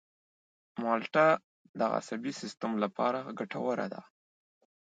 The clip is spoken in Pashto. مالټه د عصبي سیستم لپاره ګټوره ده.